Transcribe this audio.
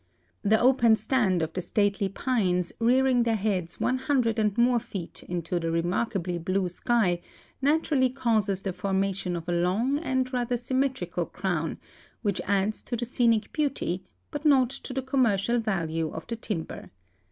The open stand of the stately pines rearing their heads 100 and more feet into the remarkably blue sky naturally causes the formation of a long and rather sym metrical crown which adds to the scenic beauty, but not to the commercial value of the timber.